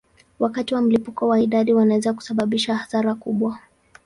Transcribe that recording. Wakati wa mlipuko wa idadi wanaweza kusababisha hasara kubwa.